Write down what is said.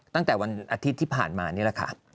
ตั้งแต่วันอาทิตย์ที่ผ่านมานี่แหละค่ะ